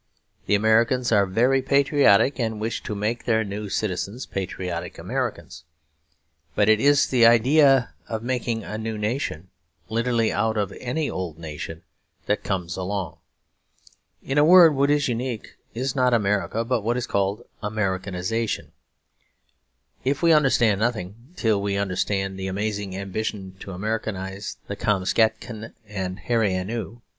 The Americans are very patriotic, and wish to make their new citizens patriotic Americans. But it is the idea of making a new nation literally out of any old nation that comes along. In a word, what is unique is not America but what is called Americanisation. We understand nothing till we understand the amazing ambition to Americanise the Kamskatkan and the Hairy Ainu.